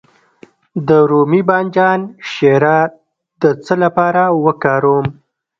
د رومي بانجان شیره د څه لپاره وکاروم؟